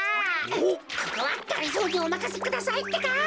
ここはがりぞーにおまかせくださいってか。